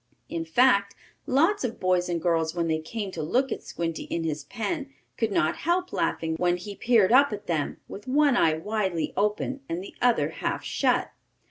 In fact, lots of boys and girls, when they came to look at Squinty in his pen, could not help laughing when he peered up at them, with one eye widely open, and the other half shut.